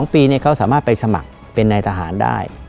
๒ปีเขาสามารถไปสมัครเป็นนายทหารได้